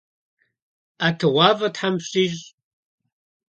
ӀэтыгъуафӀэ тхьэм фщищӀ.